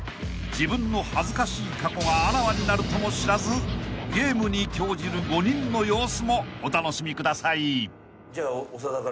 ［自分の恥ずかしい過去があらわになるとも知らずゲームに興じる５人の様子もお楽しみください］